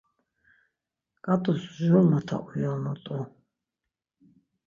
Ǩat̆us jur mota uyonut̆u.